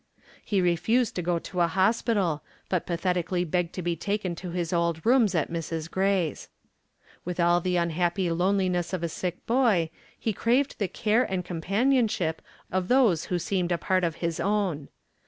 He refused to go to a hospital, but pathetically begged to be taken to his old rooms at Mrs. Gray's. With all the unhappy loneliness of a sick boy, he craved the care and companionship of those who seemed a part of his own.